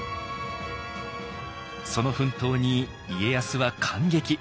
その奮闘に家康は感激。